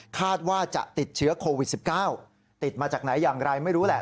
คาดว่าจะติดเชื้อโควิด๑๙ติดมาจากไหนอย่างไรไม่รู้แหละ